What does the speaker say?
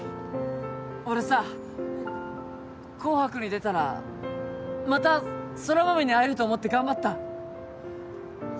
俺さ、「紅白」に出たらまた空豆に会えると思って頑張った。